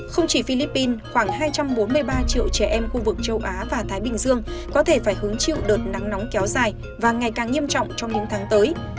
không chỉ philippines khoảng hai trăm bốn mươi ba triệu trẻ em khu vực châu á và thái bình dương có thể phải hứng chịu đợt nắng nóng kéo dài và ngày càng nghiêm trọng trong những tháng tới